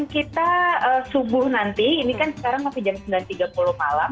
kita subuh nanti ini kan sekarang masih jam sembilan tiga puluh malam